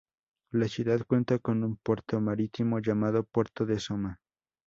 La ciudad cuenta con un puerto marítimo, llamado Puerto de Soma.